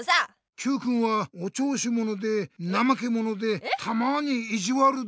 Ｑくんはおちょうしものでなまけものでたまにイジワルで。